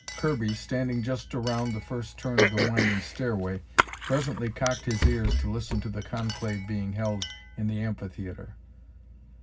Kirby, standing just around the first turn of the winding stairway, presently cocked his ears to listen to the conclave being held in the amphitheatre.